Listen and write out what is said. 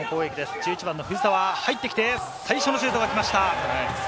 １１番の藤澤入ってきて、最初のシュートが決まりました。